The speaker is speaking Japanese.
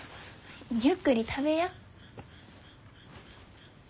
ゆっくり食べや。